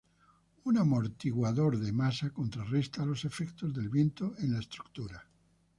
Un amortiguador de masa contrarresta los efectos del viento en la estructura.